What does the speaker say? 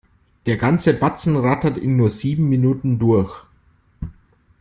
Der ganze Batzen rattert in nur sieben Minuten durch.